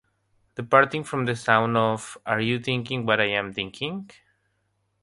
Departing from the sound of Are You Thinking What I'm Thinking?